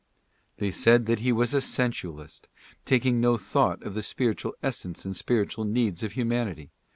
They said that he was a sensualist, taking no thought of the spiritual essence and spiritual needs of humanity.